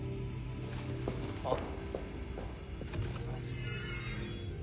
あっ。